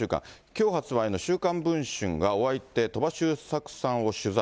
きょう発売の週刊文春がお相手、鳥羽周作さんを取材。